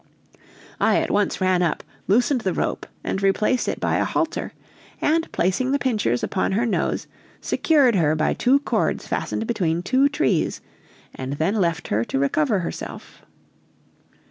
I at once ran up, loosened the rope, and replaced it by a halter; and placing the pincers upon her nose, secured her by two cords fastened between two trees, and then left her to recover herself.